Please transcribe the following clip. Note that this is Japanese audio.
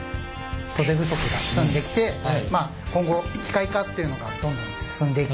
人手不足が進んできてまあ今後機械化っていうのがどんどん進んでいく。